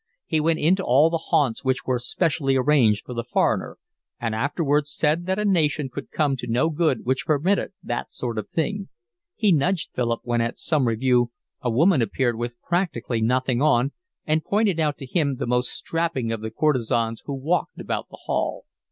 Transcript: He went into all the haunts which were specially arranged for the foreigner, and afterwards said that a nation could come to no good which permitted that sort of thing. He nudged Philip when at some revue a woman appeared with practically nothing on, and pointed out to him the most strapping of the courtesans who walked about the hall.